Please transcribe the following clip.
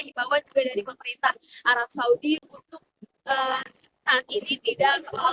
kemudian ada juga ibadah dari pemerintah arab saudi untuk nanti di bidang kepal